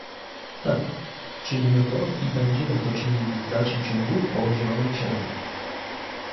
tak, czynimy to i będziemy to czynili w dalszym ciągu po zielonej księdze